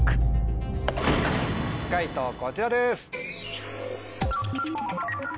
解答こちらです。